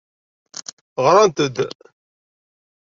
Ɣrant-d.